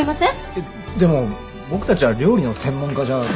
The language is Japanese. えっでも僕たちは料理の専門家じゃ。